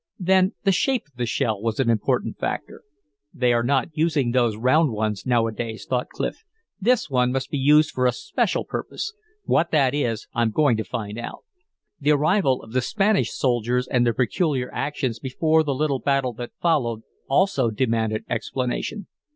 Then the shape of the shell was an important factor. "They are not using those round ones nowadays," thought Clif. "This one must be used for a special purpose. What that is, I'm going to find out." The arrival of the Spanish soldiers and their peculiar actions before the little battle that followed also demanded explanation.